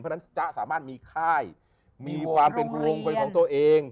เพราะฉะนั้นจ๊ะสามารถมีค่ายมีความเป็นห่วงเป็นของตัวเอง